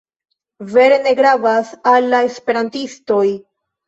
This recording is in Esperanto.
Vere ne gravas al la Esperantistoj.